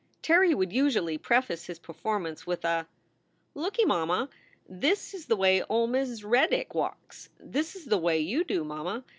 Terry would usually preface his performance with a: "Looky, mamma! This is the way old Miz Reddick walks. This is the way you do, mamma.